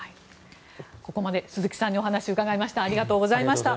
ここまで鈴木さんにお話を伺いました。